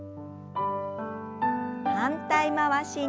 反対回しに。